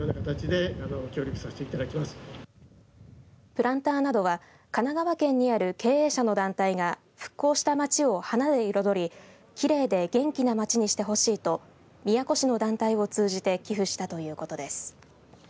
プランターなどは神奈川県にある経営者の団体が復興した街を花で彩りきれいで元気な街にしてほしいと宮古市の団体を通じて寄付したということです。